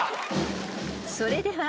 ［それでは］